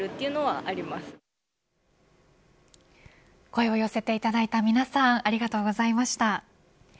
声を寄せていただいた皆さんありがとうございました。